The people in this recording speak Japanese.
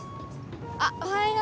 あっおはよう。